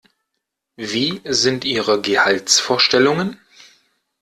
Wie sind Ihre Gehaltsvorstellungen?